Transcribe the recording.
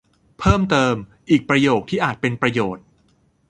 เพิ่มเติม อีกประโยคที่อาจเป็นประโยชน์